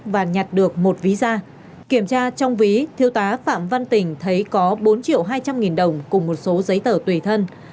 và nhặt được một ví da kiểm tra trong ví thiêu tá phạm văn tình thấy có bốn triệu hai trăm linh nghìn đồng cùng một số giấy tờ tùy thân